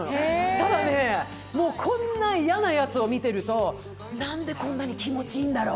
ただ、こんな嫌なやつを見てるとなんでこんなに気持ちいいんだろう。